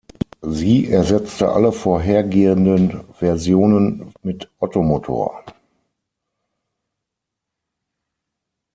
Sie ersetzte alle vorhergehenden Versionen mit Ottomotor.